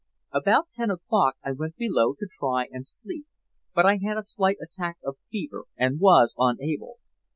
"About ten o'clock I went below to try and sleep, but I had a slight attack of fever, and was unable.